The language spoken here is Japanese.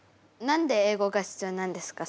何で英語が必要なんですか？